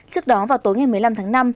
trước đó vào tối ngày một mươi năm tháng năm